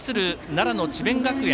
奈良の智弁学園。